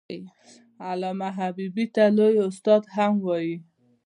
علامه حبيبي ته لوى استاد هم وايي.